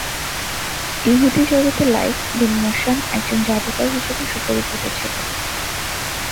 ইহুদী জগতে লাঈছ বিন মোশান একজন জাদুকর হিসেবে সুপরিচিত ছিল।